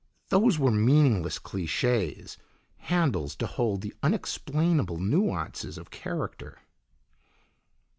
Those were meaningless cliches, handles to hold the unexplainable nuances of character.